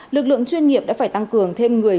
lực lượng chuyên nghiệp đã phải tăng cường thêm người